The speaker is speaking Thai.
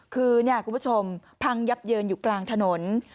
คือคุณผู้ชมพังยับเยินอยู่กลางถนน